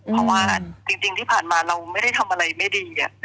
เพราะว่าจริงที่ผ่านมาเราไม่ได้ทำอะไรไม่ดี